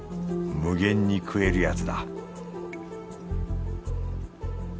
無限に食えるやつだ